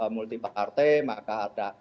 multi partai maka ada